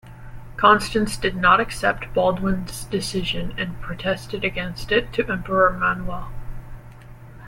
Constance did not accept Baldwin's decision and protested against it to Emperor Manuel.